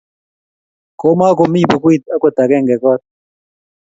Koma komi bukuit akot akenge kot